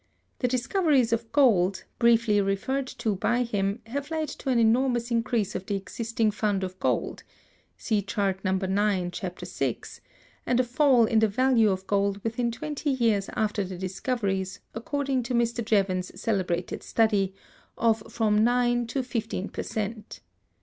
The discoveries of gold, briefly referred to by him, have led to an enormous increase of the existing fund of gold (see chart No. IX, Chap. VI), and a fall in the value of gold within twenty years after the discoveries, according to Mr. Jevons's celebrated study,(227) of from nine to fifteen per cent.